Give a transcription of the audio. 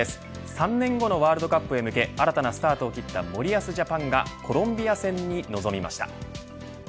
３年後のワールドカップへ向け新たなスタートを切った森保ジャパンがコロンビア戦に臨みました。